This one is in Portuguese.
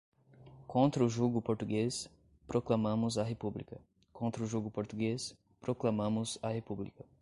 contra o jugo português, proclamamos a República, contra o jugo português, proclamamos a República